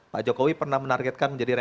pak jokowi pernah menargetkan